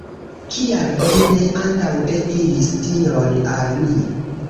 Kial vi ne antaŭe diris tion al mi?